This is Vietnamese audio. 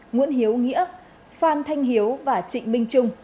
nguyễn hiếu nghĩa phan thanh hiếu và trịnh minh trung